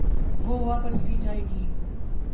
وہ واپس لی جائیں گی۔